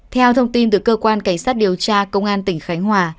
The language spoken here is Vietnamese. theo thông tin từ cơ quan cảnh sát điều tra công an tỉnh khánh hòa